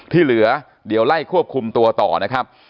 ที่เหลือเดี๋ยวไล่ควบคุมตัวต่อนะครับ